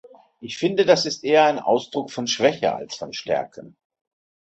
Ich finde, das ist eher ein Ausdruck von Schwäche als von Stärke!